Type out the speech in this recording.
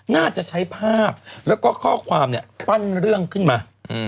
น่าจะใช้ภาพแล้วก็ข้อความเนี่ยปั้นเรื่องขึ้นมา